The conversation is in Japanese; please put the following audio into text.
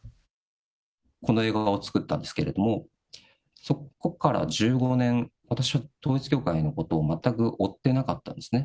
この映画を作ったんですけれども、そこから１５年、私は統一教会のことを全く追っていなかったんですね。